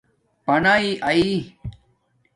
پنݳ آئئ